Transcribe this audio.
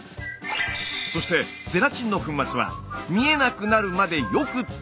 そしてゼラチンの粉末は見えなくなるまでよく溶かす。